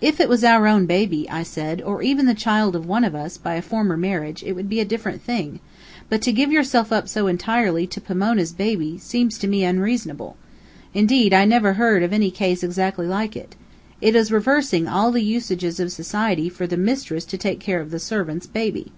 "If it was our own baby," I said, "or even the child of one of us, by a former marriage, it would be a different thing; but to give yourself up so entirely to Pomona's baby, seems, to me, unreasonable. Indeed, I never heard of any case exactly like it. It is reversing all the usages of society for the mistress to take care of the servant's baby."